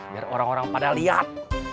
biar orang orang pada lihat